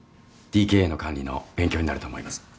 ＤＫＡの管理の勉強になると思います。